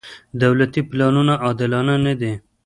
دولتي پلانونه عادلانه نه دي.